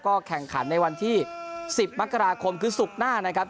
แข่งขันในวันที่๑๐มกราคมคือศุกร์หน้านะครับ